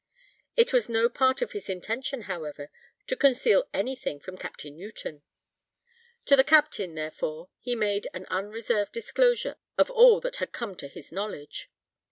It was no part of his intention, however, to conceal any thing from Capt. Newton; to the captain, therefore, he made an unreserved disclosure of all that had come to his knowledge.